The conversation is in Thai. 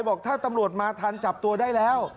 บอกถ้าตำรวจมาทันจับตัวได้แล้ว